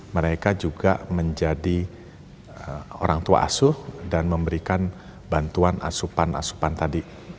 mereka juga menjadi orang tua asuh dan memberikan bantuan asupan asupan tadi